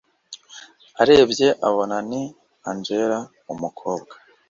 arebye abona ni angella umukobwa